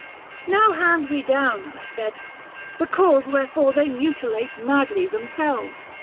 " Now hand we down," I said, " the cause wherefore they mutilate Madly themselves